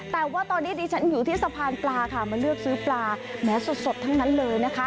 แต่ว่าตอนนี้ดิฉันอยู่ที่สะพานปลาค่ะมาเลือกซื้อปลาแม้สดทั้งนั้นเลยนะคะ